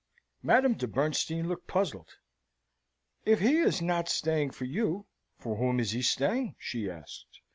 Madame de Bernstein looked puzzled. "If he is not staying for you, for whom is he staying?" she asked.